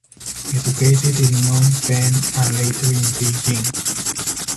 Educated in Phnom Penh and later in Beijing.